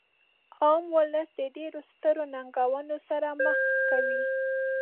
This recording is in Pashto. عام ولس د ډیرو سترو ننګونو سره مخ کوي.